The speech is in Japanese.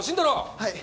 はい。